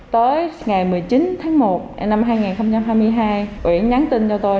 tối ngày một mươi chín tháng một năm hai nghìn hai mươi hai uyển nhắn tin cho tôi